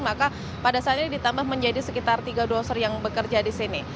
maka pada saat ini ditambah menjadi sekitar tiga doser yang bekerja di sini